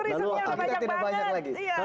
waduh researchnya sudah banyak banget